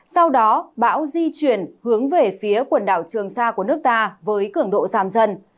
sau đó bão di chuyển hướng về phía quần đảo trường sa của nước ta với cường độ giảm dần